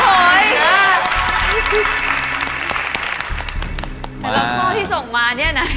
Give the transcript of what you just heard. แต่ละข้อที่ส่งมาเนี่ยนะ